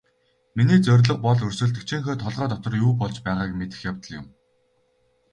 Миний зорилго бол өрсөлдөгчийнхөө толгой дотор юу болж байгааг мэдэх явдал юм.